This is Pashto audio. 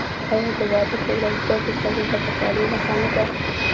آیا د واده په ورځ ډزې کول د خوشحالۍ نښه نه ده؟